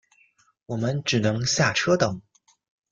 我们只能下车等